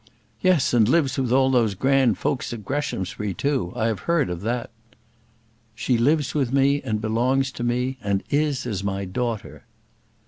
"Yes, and lives with all those grand folks at Greshamsbury too. I have heard of that." "She lives with me, and belongs to me, and is as my daughter."